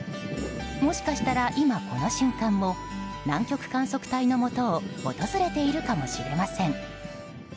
もしかしたら今、この瞬間も南極観測隊のもとを訪れているかもしれません。